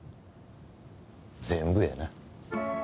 全部やな。